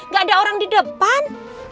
gak ada orang di depan